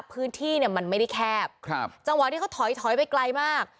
พื้นที่มันไม่ได้แคบจังหวะที่เขาถอยไปไกลมาก